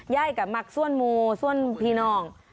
ย่ายกับมักส้วนมูส้วนพี่นอง